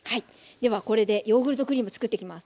ではこれでヨーグルトクリームつくっていきます。